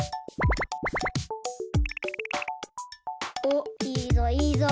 おっいいぞいいぞ！